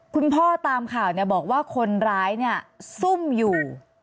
คุณพ่อตามข่าวเนี่ยบอกว่าคนร้ายเนี่ยซุ่มอยู่